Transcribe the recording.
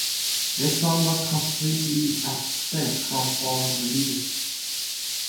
This song was completely absent from foreign releases.